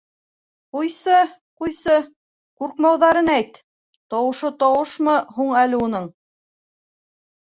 — Ҡуйсы... ҡуйсы, ҡурҡмауҙарын әйт, тауышы тауышмы һуң әле уның.